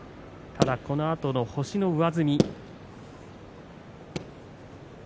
このあとは星の上積み。